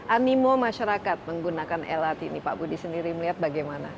animo masyarakat menggunakan lrt ini pak budi sendiri melihat bagaimana